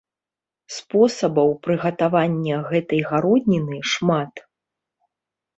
Спосабаў прыгатавання гэтай гародніны шмат.